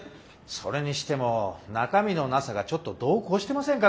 それにしても中身のなさがちょっと度を越してませんか？